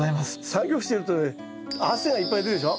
作業してるとね汗がいっぱい出るでしょ。